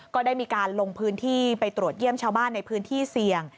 ก็ได้มีการลงพื้นที่ไปตรวจเยี่ยมชาวบ้านในพื้นที่เสี่ยง